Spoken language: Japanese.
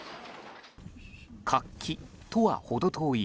活気とは程遠い